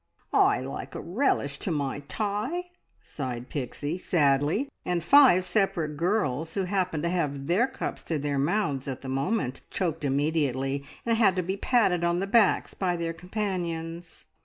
"Oi like a relish to my tay!" sighed Pixie sadly, and five separate girls who happened to have their cups to their mouths at the moment, choked immediately, and had to be patted on the backs by their companions.